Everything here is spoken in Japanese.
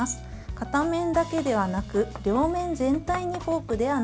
片面だけではなく両面全体にフォークで穴を開けます。